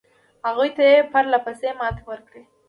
هغوی ته یې پرله پسې ماتې ورکړې.